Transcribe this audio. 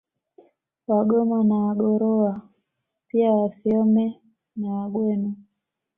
Wagoma na Wagorowa pia Wafiome na Wagweno